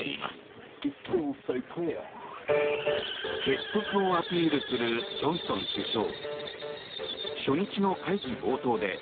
結束をアピールするジョンソン首相。